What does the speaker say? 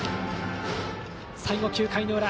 最後、９回の裏。